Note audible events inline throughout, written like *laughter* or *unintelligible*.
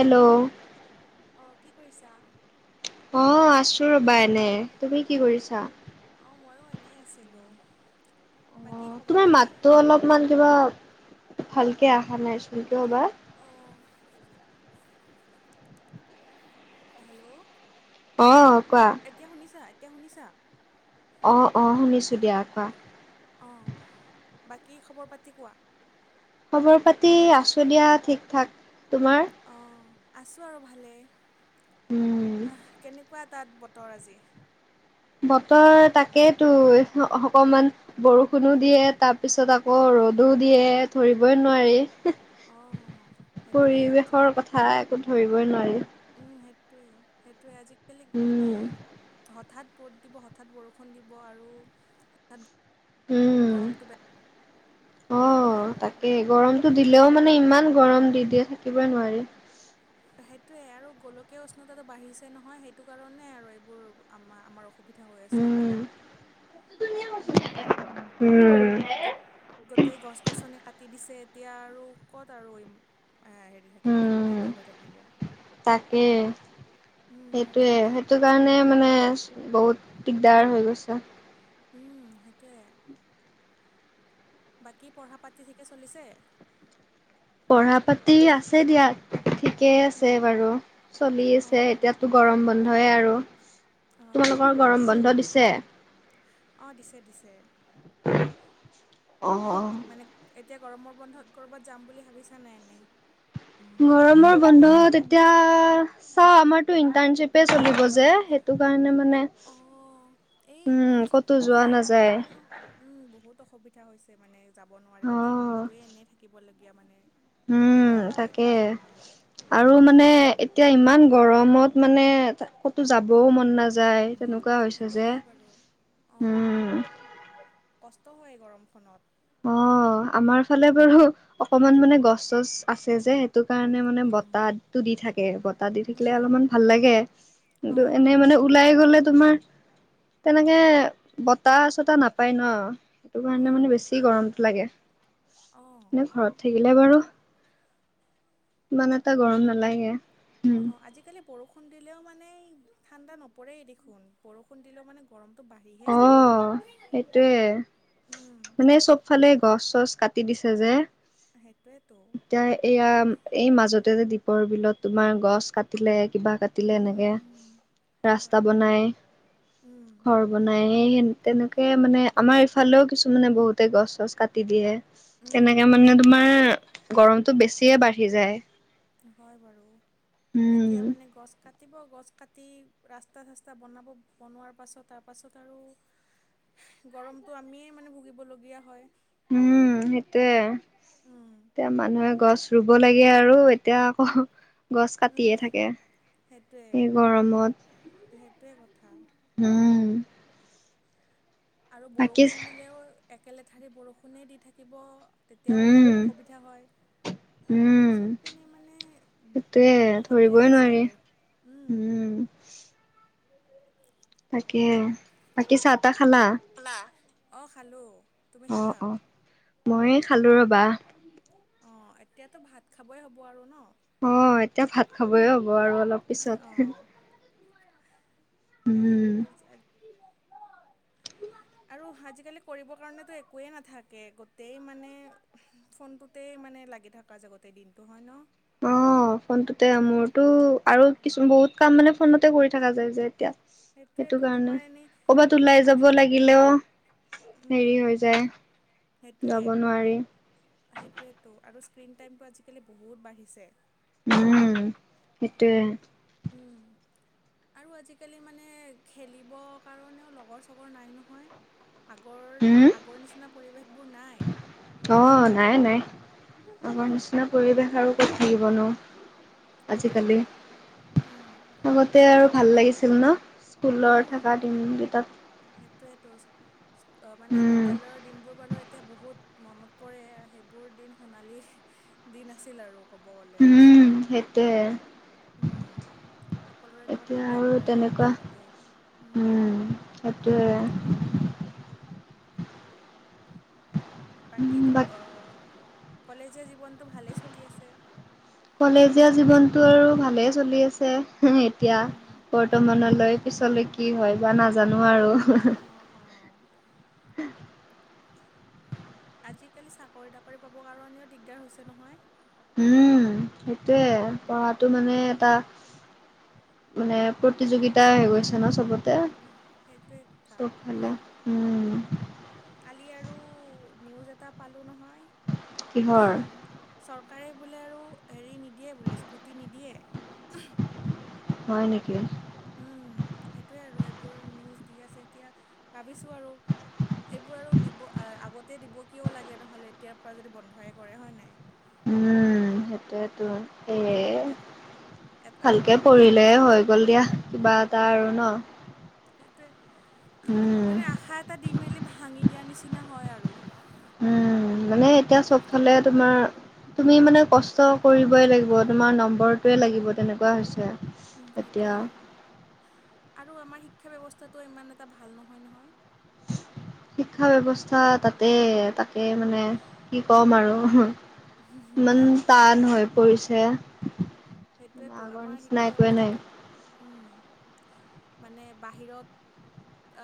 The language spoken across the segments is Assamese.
হেল্ল' অ কি কৰিছা? অ আছো ৰবা এনে, তুমি কি কৰিছা? অ ময়ো এনেই আছিলোঁ। অ বাকী খবৰ তোমাৰ পাতি মাততো অলপমান কিবা ভালকে অহা নাই চোন কিয়বা। অহ হেল্ল' অ কোৱা। এতিয়া শুনিছা এতিয়া শুনিছা। অ অ শুনিছোঁ দিয়া কোৱা। অ বাকী খবৰ পাতি কোৱা? খবৰ পাতি আছোঁ দিয়া ঠিক ঠাক, তোমাৰ? অ আছো আৰু ভালে উম অহ‌ কেনেকুৱাত। তাত বতৰ আজি? বতৰ তাকেই তো অকমান। বৰষুণো দিয়ে তাৰ পিছত আকৌ ৰ'দো দিয়ে ধৰিবই নোৱাৰি। অ সেইটোৱে আজি। খা একো ধৰিবই নোৱাৰি। উম, সেইটোৱে সেইটোৱে আজিকালি মানে উম হঠাৎ ৰ'দ দিব হঠাৎ বৰষুণ দিব আৰু হঠাত উম গৰমটো বেয়া সেইটোৱে অ', আৰু। তাকে গৰমটো দিলেও মানে ইমান গৰম দি দিয়ে থাকিবই নোৱাৰি। সেইটোৱে আৰু গোলকীয় উষ্ণতাটো বাঢ়িছে নহয় সেইটো কাৰণে আৰু এইবোৰ আম আমাৰ অস সুবিধা হৈ আছে এতিয়া। *unintelligible* উম! গোট-গোটেই গছ-গছনি কাটি দিছে এতিয়া আৰু ক'ত আৰু ইম আহ হেৰি থাকিব ধান উম, ভিতৰলৈ থাকিব। তাকে সেইটোৱে সেইটোৱেতো সেইটো সেইকাৰণে মানেচ বহুত দিগদাৰ হৈ গৈছে। উম সেইটোৱে। বাকী পঢ়া পাতি ঠিকে চলিছে? পঢ়া পাতি আছে দিয়া। ঠিকেই আছে উম, উম, বাৰু চলি আছে অঁ এতিয়াতো গৰম বন্ধই আৰু। অঁ হয় তোমালোকৰ বাৰু গৰম বন্ধ দিছে? অ, দিছে- দিছে। অ', অ', মানে এতিয়া গৰমৰ বন্ধত ক'ৰবাত যাম বুলি ভাবিছা নাই এনে? গৰমৰ বন্ধত এতিয়া চাওঁ আমাৰতো ইণ্টাৰ্ণশ্বিপেই চলিব যে সেইটো কাৰণে মানে অ, এই উম, ক'তো যোৱা ইণ্টাৰ্ণশ্বিপটোৰ নাযায়। কাৰণেও উম, বহুত অসুবিধা হৈছে মানে যাব নোৱাৰি গোটেই অ', মাহটোৱেই এনেই থাকিবলগীয়া মানে লগীয়া হয় উম আৰু তাকে ইণ্টাৰ্ণশ্বিপৰ নামত। আৰু মানে এতিয়া ইমান গৰমত মানে ক'তো যাবও মন নাযা যায় তেনেকুৱা হৈছে সেইটো যে হয় বাৰু *inaudible* অঁ উম। কষ্ট হয় এই গৰমখনত। অ, আমাৰ ফালে বাৰু অকমান মানে গছ-চছ আছে যে সেইটো কাৰণে মানে উম, বতাহটো দি থাক থাকে বতাহ দি থাকিলে অলপমান ভাল লাগে কিন্তু অঁ এনে মানে *unintelligible* ওলাই গলে তোমাৰ তেনেকে বতাহ চত চতাহ নাপায় ন'সেইটো কাৰণে মানে উম, বেছি গৰমটো লাগে অঁ এনেই ঘৰত থাকিলে বাৰু ইমান এটা উম, গৰম নালাগে উম অ', অ', আজিকালি বৰষু বৰষুণ দিলেও মানে এই ঠাণ্ডা নপৰেই দেখুন বৰষু বৰষুণ দিলেও মানে গৰমটো বাঢ়িহে অ যায় উম ইফালে গছ-চছ কাটি দিছে যে সেইটোৱেটো, এতিয়া এয়া এই মাজতে যে দ্বীপৰ বিলত তোমাৰ গছ কাটিলে কিবা কাট কাটিলে উম এনেকে উম হয় ৰাস্তা বাৰু বনাই উম। ঘৰ বনাই হে সেই তেনেকে মানে আমাৰ ইফালেও কিছুমানে বহুতে গছ-চছ কাটি দিয়ে। উম উম তেনেকে মানে উম তোমাৰ গৰমটো বেছিয়ে বাঢ়ি যায়। হয় বাৰু উম এতিয়া মানে গছ কাট কাটিব গছ কাটি ৰাস্তা-চাস্তা বনাব বনোৱাৰ পাছত তাৰপাছত আৰু *inaudible* গৰমটো আমিয়েই মানে ভুগিবলগীয়া হয়। উম, সেইটোৱেই উম এতিয়া মানুহে গছ ৰুব লাগে আৰু এতিয়া আকৌ গছ উম কাটিয়ে থাকে। সেইটোৱে এই গৰমত সেইটোৱে কথা। হম, আৰু বৰষুণ দিলেও একলেঠাৰি বৰষুণেই দি থাকিব। তেতিয়াও অসা উম -অসুবিধা হয়। উম চব পিনে মানে সেইটোয়ে অসুবিধাই ধৰিবই হৈছে নোৱাৰি আৰু উম। তাকেহে বাকী চাহ-তাহ খালা? খালা অ, খালো তুমি অ খালা? অ মই খালোঁ ৰবা। অ, এতিয়াতো ভাত খাবই হ'ব আৰু ন? অ, এতিয়া ভাত খাবয়েই হ'ব আৰু অলপ পিছত *unintelligible* অঁ উম সেয়াই আৰু *unintelligible* *inaudible* আৰু আজিকালি কৰিবৰ কাৰণেতো একোৱেই নাথাকে গোটেই মানে ফোনটোত। গোটেই মানে লাগি থকা জেগতে দিনটো হয় ন? অ, ফোনটোতে মোৰতো আৰু কিছু বহুত কাম মানে ফোনতে কৰি থকা যায় যে এতিয়া। সেটো সেইটোৱেতো কাৰণে তোমাৰ এনেই ক'বাত ওলাই আজি যাব লাগিলেও উম হেৰি হৈ যায় যাব নোৱাৰি। তো আৰু স্ক্ৰীণ টাইমটো আজিকালি বহুত বাঢ়িছে। উম সেইটোৱে উম। *inaudible* আৰু আজিকালি মানে খেলিবৰ কাৰণেও লগৰ চগৰ নাই নহয়। আগৰ হম আগৰ নিচিনা পৰিৱেশ বোৰ নাই। অ নাই নাই আমাৰ উম নিচিনা পৰিৱেশ আৰু কত থাকিবনো। সেইটোৱেতো। উম আগতে আৰু গাঁৱত ভাল যিটো লাগিছিল ন স্কুলৰ উম। থকা দিন কেইটাত সেইটোৱেতো মানে উম বিদ্যালয়ৰ দিনবোৰ বাৰু এতিয়া বহুত মনত পৰে সেইবোৰ দিন সোণালী দিন আছিল আৰু ক'ব গ'লে উম সেইটোৱে। উম সকলোৰে লগত এতিয়া আড্ডা আৰু মাৰা তেনেকুৱা একেলগে উম। সেইটোৱে। বাকী তো বাক কলেজীয়া জীৱনটো ভালেই চলি আছে। কলেজীয়া জীৱনটো আৰু ভালেই চলি আছে এ তিয়া উম উম উম বৰ্তমানলৈ পিছলৈ কি হয় বা নাজানো আৰু অ', অ', আজিকালি চাকৰি তাকৰি পাবৰ কাৰণেও দিগদাৰ হৈছে নহয়। উম সেইটোয়ে পঢ়াটো মানে উম, এটা। মানে প্ৰতিযোগিতা হৈ গৈছে ন চবতে সেইটোৱে কথা। চবফালে উম কালি আৰু নিউজ এটা পালোঁ নহয়। কিহৰ চৰকাৰে বোলে আৰু হেৰি নিদিয়ে বোলে স্কুটি নিদিয়ে। হয় নেকি। উম সেইটোয়ে আৰু এইবোৰ নিউজ দি আছে এতিয়া। ভাবিছোঁ আৰু এইবোৰ আৰু দিব আগত তে দিব কিয় লাগে নহ'লে এতিয়াৰ পৰা যদি বন্ধই কৰে হয় নাই। উম সেইটোয়েতো সেয়ে। এটা আৰু ভালকে আশা দি পঢ়িলে হৈ মেলি গল দিয়া কিবা এটা আৰু উম, ন। সেইটোৱে উম মানে আশা এটা দি মেলি ভাঙি দিয়াৰ নিচিনা হয় আৰু উম মানে এতিয়া চবফালে তোমাৰ। তুমি মানে কষ্ট কৰিবই লাগিব তোমাৰ নম্বৰটোৱে লাগিব তেনেকুৱা হৈছে। উম এতিয়া সেইটোৱেই আৰু আমাৰ শিক্ষা ব্যৱস্থাটো ইমান এটা ভাল নহয় নহয়। শিক্ষা ব্যৱস্থা তাতে তাকে মানে কি কম আৰু ইমান শিক্ষা টান হৈ পৰিছে। সেইটোৱেতো আগৰ আমাৰ নিচিনা শিক্ষা একোৱে নাই। ব্যৱস্থাটো উম, মানে বাহিৰত।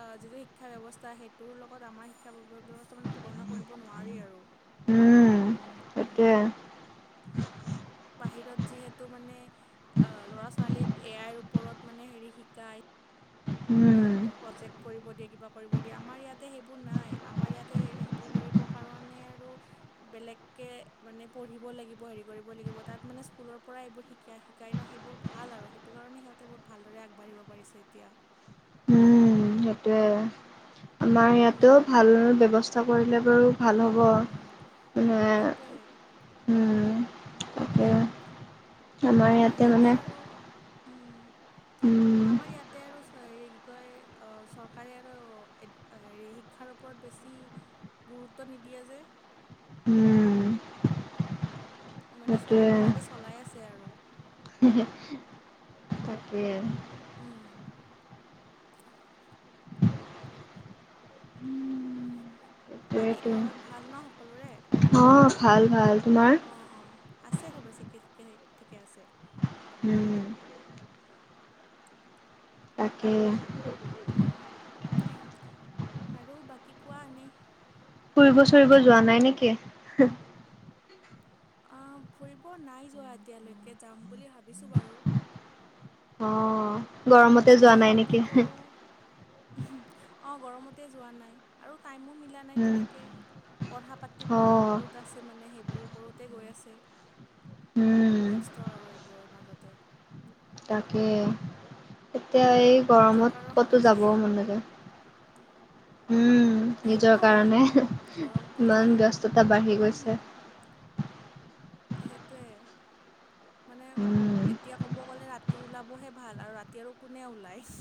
আহ যিটো শিক্ষা ব্যৱস্থা সেইটোৰ লগত আমাৰ শিক্ষা ব্যৱস্থা মানে তুলনা কৰিব নোৱাৰি আৰু উম সেইটোৱে। বাহিৰত যিহেতু মানে ল'ৰা ছোৱালীক এ আইৰ ওপৰত মানে হেৰি শিকাই উম সিহঁতক প্ৰজেক কৰিব দিয়ে কিবা কৰিব দিয়ে আমাৰ ইয়াতে সেইবোৰ নাই আমাৰ ইয়াতে সেইবোৰ কৰিব। কাৰণে আৰু বেলেগকে মানে পঢ়িব লাগিব হেৰি কৰিব লাগিব তাত মানে স্কুলৰ পৰা এইবোৰ শিকাই শি কায় ন সেইকাৰণে সেইবোৰ ভাল আৰু সেইটো কাৰণে সিহঁতে বহুত ভালদৰে আগবাঢ়িব পাৰিছে এতিয়া উম সেইটোৱে আমাৰ ইয়াতো উম ভাল ব্যৱস্থা কৰিলে বাৰু ভাল হ'ব সেইটোৱে উম তাকে, আমাৰ ইয়াতে আৰু উম উম আমাৰ ইয়াতে আৰু হেৰি কি কয় চৰকাৰে আৰু হেৰি শিক্ষাৰ ওপৰত বেছি। গুৰুত্ব নিদিয়ে যে। উম মানে চলিব লাগে চলাই আছে আৰু হে হে, তাকে। উম বাকী সেইটোৱেটো ঘৰত ভাল ন সকলোৰে। অ ভাল ভাল তোমাৰ। অঁ অঁ আছে চব ঠিকে ঠিকে ঠিকে আছে। উম তাকে, উম আৰু বাকী কোৱা এনেই, ফুৰিব চুৰিব যোৱা নাই নেকি। অ ফুৰিব নাই যোৱা এতিয়ালৈকে যাম বুলি ভাবিছোঁ বাৰু অ গৰম এতিয়া কি কৰো। অ গৰমতে যোৱা নাই আৰু টাইমো মিলা নাই উম তেনেকে। পঢ়া পাতি অ বহুত আছে মানে সেইবোৰ কৰোঁতে গৈ আছে। উম ব্যস্ত আৰু এইবোৰৰ মাজতে। তাকে এতিয়া এই নিজৰ গৰমত কাৰণ হোৱা ক'তো যাব হৈছে মনযায়। উম নিজৰ সেইটোও হয়। কাৰণে গৰমটো যিহে ইমান গৰম ব্যস্ততা বাঢ়ি উম গৈছে। সেইটোৱে মানে। এতিয়া ক'ব গ'লে ৰাতি ওলাবহে ভাল আৰু ৰাতি আৰু কোনে ওলায়।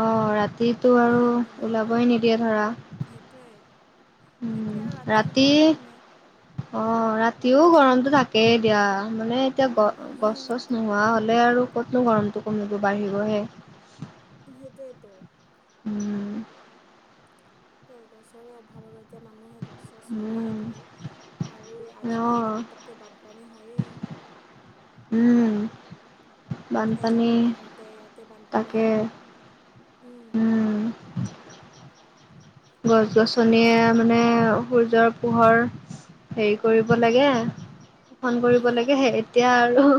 অ ৰাতিটো আৰু ইমান ওলাবই গৰমত নিদিয়ে ধৰা। সেইটোৱে। উম, সেইটোৱে আৰু ৰাতি ওলাব কোনে অ ৰাতিও গৰমতটো থাকেই এতিয়া মানে, এতিয়া গ গছ উম চছ নোহোৱা হ'লে আৰু ক'তনো গৰমটো কমিব বাঢ়িবহে। সেইটোয়েতো। উম, গছৰে অভাৱ আৰু এতিয়া মানুহে গছ চছ ৰুলেহে ভাল। আৰু আজিকালিতো অ' পতকে বানপানী হয়েই। উম, এজাক বানপানী বৰষুণতে ইয়াতে বানপানী তাকে হয়। উম, গছ গছনিয়ে মানে সূৰ্যৰ, পোহৰ হেৰি কৰিব লাগে শোষন কৰিব উম, লাগে সেই, এতিয়া আৰু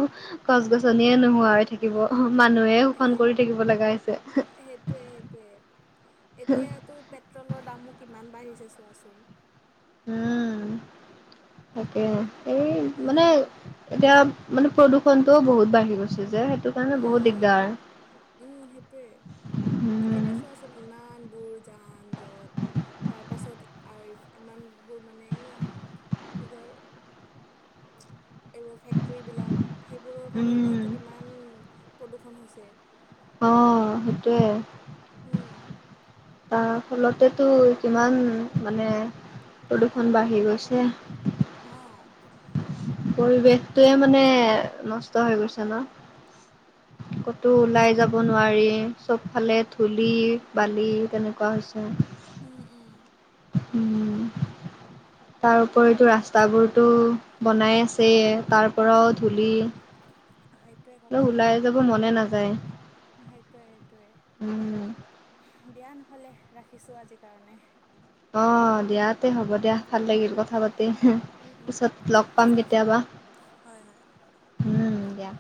গছ গছনিয়ে নোহোৱা হৈ থাকে। থাকিব মানুহে শোষণ কৰি থাকিব লগা হৈছে। সেইটো সেটোৱে এতিয়াতো পেট্ৰলৰ দামো কিমান বাঢ়িছে চোৱাচোন। উম তাকে এই মানে এতিয়া মানে প্ৰদূষণতটোও বহুত বাঢ়ি গৈছে যে সেইটো। কাৰণে বহুত আহ সেই দিগদাৰ উম সেইটোৱে। উম এতিয়া চোৱাচোন ইমানবোৰ যান যট, তাৰপাছত ইমানবোৰ মানে এইয়া কি কয়, এইবোৰ ফেক্টৰীবিলাক সেইবোৰৰ উম কাৰণেওতো কিমান। প্ৰদূষণ হৈছে। অ সেইটোৱে। হুম। তাৰ ফলতেটো কিমান মানে প্ৰদূষণ বাঢ়ি গৈছে। অ। পৰিৱেশটোৱে মানে নষ্ট হৈ গৈছে ন। ক'তো ওলাই যাব নোৱাৰি চব ফালে ধূলি বালি তেনেকুৱা হৈছে। উম উম, উম তাৰ উপৰিটো ৰাস্তাবোৰটো বনাই আছেয়ে। তাৰ পৰাও ধূলি সেইটোৱে অ কথা ওলাই যাব মনে নাযায়। সেইটোৱে, সেইটোৱে। উম, দেয়া নহ'লে ৰাখিছো আজি কাৰণে। অ দিয়া তে হ'ব দিয়া অঁ ভাল লাগিল কথা দিয়া পাতি। উম উম পিছত লগ দিয়া পাম কেতিয়াবা। হয়, হয়। উম, দিয়া।